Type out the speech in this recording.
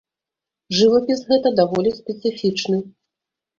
Жывапіс гэта даволі спецыфічны.